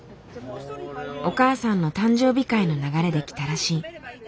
お母さんの誕生日会の流れで来たらしい。